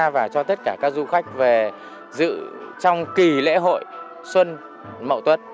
và cho tất cả các du khách về dự trong kỳ lễ hội xuân mậu tuất